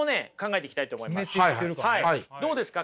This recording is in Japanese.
どうですか？